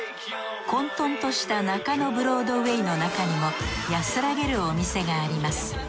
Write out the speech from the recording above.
混沌とした中野ブロードウェイのなかにも安らげるお店があります。